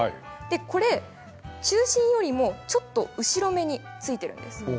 これ、中心よりもちょっと後ろめについているんです。